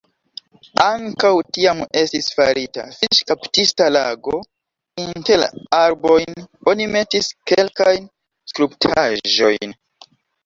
Ankaŭ tiam estis farita fiŝkaptista lago, inter la arbojn oni metis kelkajn skulptaĵojn.